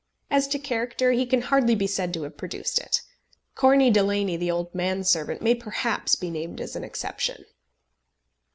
As to character he can hardly be said to have produced it. Corney Delaney, the old man servant, may perhaps be named as an exception.